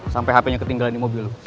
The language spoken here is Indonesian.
sampe hapenya ketinggalan di mobil lo